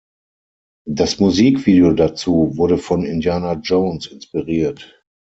Das Musikvideo dazu wurde von Indiana Jones inspiriert.